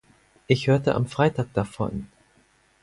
Ich hörte am Freitag davon.